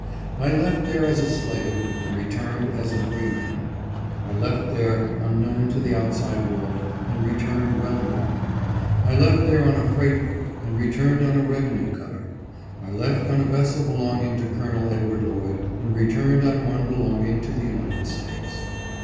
I left there as a slave, and re turned as a freeman ; I left there unknown to the outside world, and returned well known ; I left there on a freight boat, and returned on a revenue cutter ; I left on a ves sel belonging to Col. Edward Lloyd, and returned on one belonging to the United States.